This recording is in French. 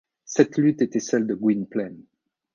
Cette lutte était celle de Gwynplaine.